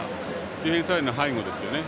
ディフェンスラインの背後ですよね。